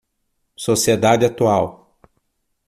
Sociedade atual